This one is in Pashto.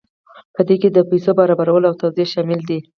په دې کې د پیسو برابرول او توزیع شامل دي.